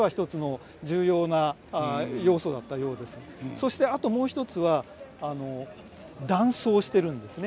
そしてあともう一つは男装してるんですね。